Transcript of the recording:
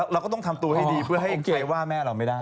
เราก็ต้องทำตัวให้ดีเพื่อให้เกยว่าแม่เราไม่ได้